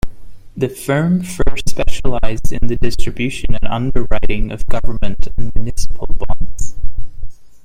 The firm first specialized in the distribution and underwriting of government and municipal bonds.